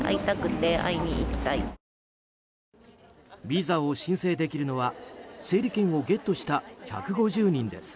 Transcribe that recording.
ビザを申請できるのは整理券をゲットした１５０人です。